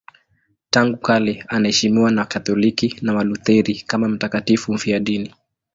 Tangu kale anaheshimiwa na Wakatoliki na Walutheri kama mtakatifu mfiadini.